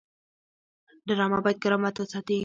ډرامه باید کرامت وساتي